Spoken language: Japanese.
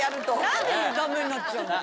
何でダメになっちゃうんだろ？